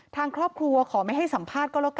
ทางครอบครัวขอไม่ให้สัมภาษณ์ก็แล้วกัน